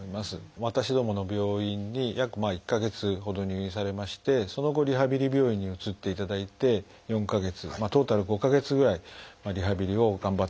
私どもの病院に約１か月ほど入院されましてその後リハビリ病院に移っていただいて４か月トータル５か月ぐらいリハビリを頑張っていただきました。